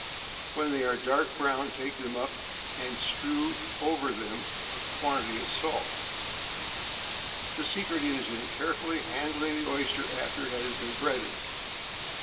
When they are dark brown, take them up, and strew over them a quantity of salt. The secret is in carefully handling the oyster after it has been breaded.